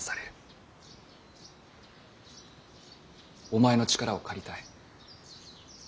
お前の力を借りたい。